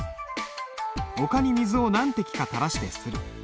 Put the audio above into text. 陸に水を何滴かたらしてする。